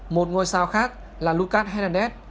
một ngôi sao khác là lucas hernandez